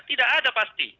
tidak ada pasti